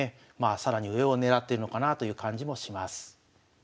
更に上を狙ってるのかなという感じもします。